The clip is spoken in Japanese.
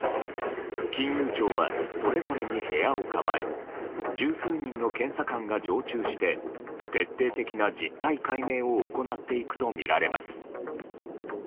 金融庁は、それぞれに部屋を構え十数人の検査官が常駐して徹底的な実態解明を行っていくとみられます。